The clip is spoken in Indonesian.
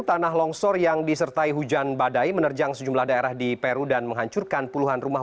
tanah longsor yang disertai hujan badai menerjang sejumlah daerah di peru dan menghancurkan puluhan rumah